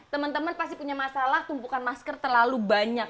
temen temen pasti punya masalah tumpukan masker terlalu banyak